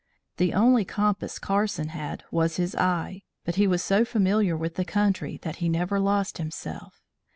The only compass Carson had was his eye, but he was so familiar with the country that he never lost himself.